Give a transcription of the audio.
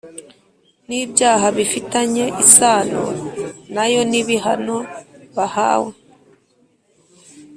n’ibyaha bifitanye isano na yo n’ibihano bahawe.